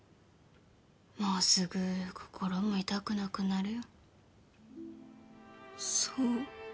もうすぐ心も痛くなくなるよそう？